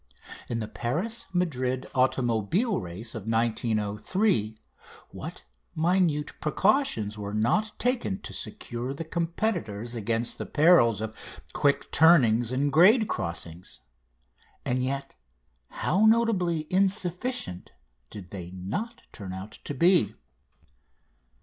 In the Paris Madrid automobile race of 1903 what minute precautions were not taken to secure the competitors against the perils of quick turnings and grade crossings? And yet how notably insufficient did they not turn out to be.